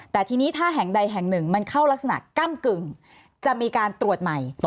แต่ทีนี้ถ้าแห่งใดแห่งหนึ่งมันเข้ารักษณะก้ำกึ่งจะมีการตรวจใหม่